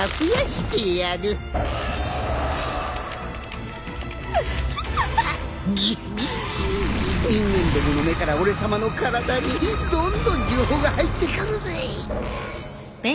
ギギギ人間どもの目から俺さまの体にどんどん情報が入ってくるぜぇ。